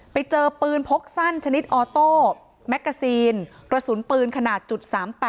ไปเจอปืนพกสั้นชนิดออโต้แมกกาซีนกระสุนปืนขนาด๓๘